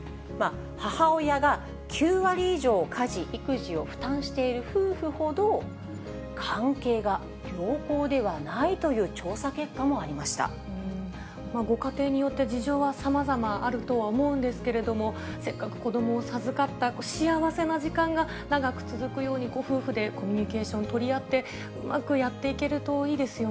母親が９割以上、家事・育児を負担している夫婦ほど、関係が良好ではないという調ご家庭によって、事情はさまざまあるとは思うんですけれども、せっかく子どもを授かった幸せな時間が長く続くように、ご夫婦でコミュニケーション取り合って、うまくやっていけるといいですよ